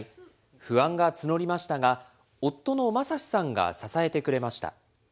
不安が募りましたが、夫の正さんが支えてくれました。